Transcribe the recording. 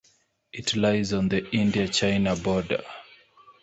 It lies on the India China border.